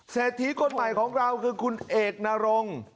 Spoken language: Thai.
เศรษฐีคนใหม่ของเราคือคุณเอกนรง